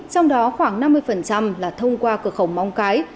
trong đó khoảng năm mươi là thông qua cửa khẩu móng cái